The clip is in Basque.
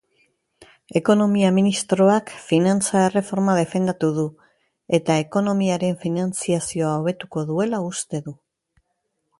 Ekonomia ministroak finantza erreforma defendatu du eta ekonomiaren finantziazioa hobetuko duela uste du.